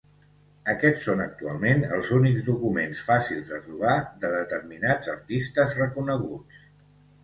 Aquests són actualment els únics documents fàcils de trobar de determinats artistes reconeguts.